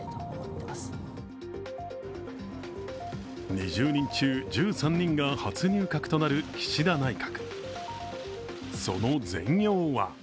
２０人中１３人が初入閣となる岸田内閣。